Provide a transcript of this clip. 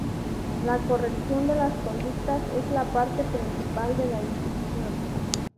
La corrección de las conductas es la parte principal de la instrucción.